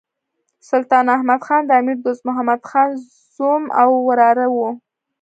سلطان احمد خان د امیر دوست محمد خان زوم او وراره وو.